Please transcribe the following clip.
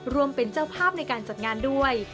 รวมเป็นเจ้าภาพในการจัดงานด้วย